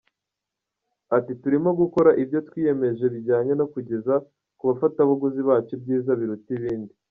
Ati "Turimo gukora ibyo twiyemeje bijyanye no kugeza kubafatabuguzi bacu ibyiza biruta ibindi“.